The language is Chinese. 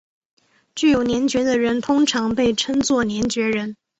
具有联觉的人通常被称作联觉人。